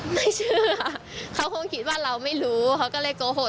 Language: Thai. ไม่เชื่อเขาคงคิดว่าเราไม่รู้เขาก็เลยโกหก